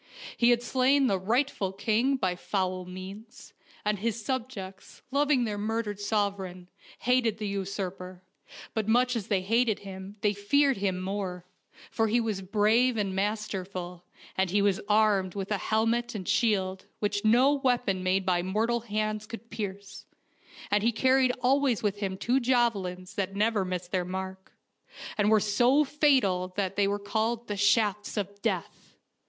He had slain the rightful king by foul means, and his subjects, loving their mur dered sovereign, hated the usurper ; but much as they hated him they feared him more, for he was brave and masterful, and he was armed with a helmet and shield which no weapon made by mortal hands could pierce, and he carried always with him two javelins that never missed their mark, and were so fatal that they were called " the shafts of death."